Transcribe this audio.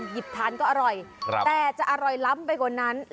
โหยโห